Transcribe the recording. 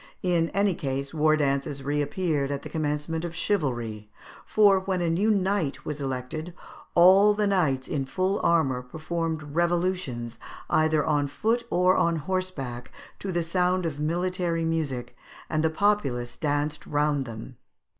In any case, war dances reappeared at the commencement of chivalry; for, when a new knight was elected, all the knights in full armour performed evolutions, either on foot or on horseback, to the sound of military music, and the populace danced round them.